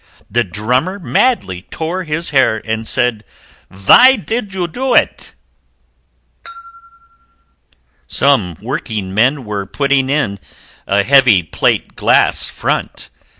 The Drummer madly tore his hair And said, "Vy did you do it?" Some Workingmen were putting in A heavy plate glass front.